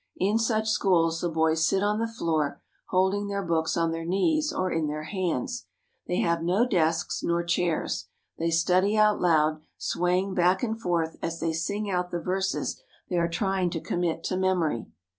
In such schools the boys sit on the floor, holding their books on their knees or in their hands. They have no desks nor chairs. They study out loud, swaying back and forth as they sing out the verses they are trying to commit to memory.